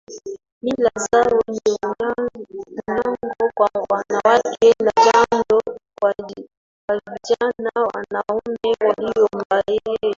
Mila zao ni unyago kwa wanawake na jando kwa vijana wanaume waliobalehe